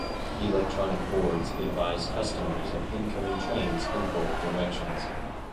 Electronic boards advise customers of incoming trains in both directions.